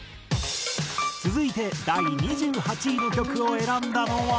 続いて第２８位の曲を選んだのは。